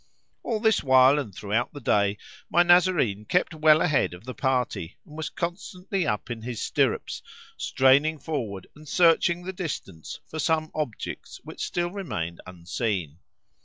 All this while, and throughout the day, my Nazarene kept well ahead of the party, and was constantly up in his stirrups, straining forward and searching the distance for some objects which still remained unseen.